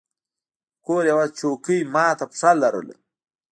د کور یوه څوکۍ مات پښه لرله.